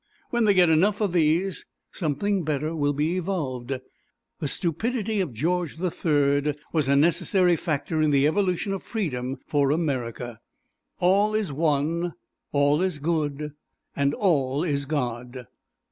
When they get enough of these, something better will be evolved. The stupidity of George the Third was a necessary factor in the evolution of freedom for America. All is one; all is Good; and all is God.